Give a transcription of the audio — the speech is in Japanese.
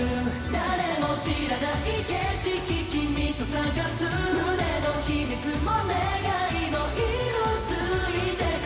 「誰も知らない景色君と探す」「胸の秘密も願いも色づいてく」